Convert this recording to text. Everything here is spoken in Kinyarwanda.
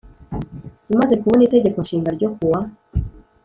Imaze kubona Itegeko Nshinga ryo kuwa